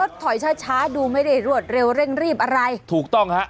ถอยช้าช้าดูไม่ได้รวดเร็วเร่งรีบอะไรถูกต้องฮะ